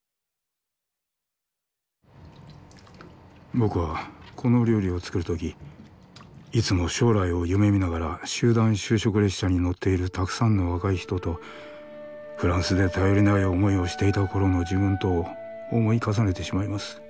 僕はこの料理を作るときいつも将来を夢見ながら集団就職列車に乗っているたくさんの若い人とフランスで頼りない思いをしていた頃の自分とを思い重ねてしまいます。